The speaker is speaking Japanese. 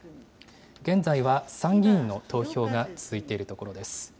現在は参議院の投票が続いているところです。